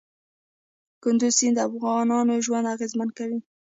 کندز سیند د افغانانو ژوند اغېزمن کوي.